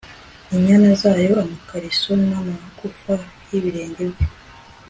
inyana zayo, amakariso n'amagufa y'ibirenge bye